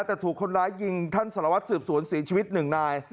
แต่ถูกคนร้ายยิงท่านสารวัตรสืบศูนย์๔ชีวิต๑นาย